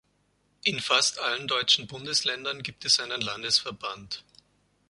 In fast allen deutschen Bundesländern gibt es einen Landesverband.